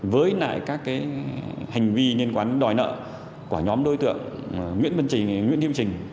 với lại các hành vi liên quan đòi nợ của nhóm đối tượng nguyễn vân trình nguyễn thiêm trình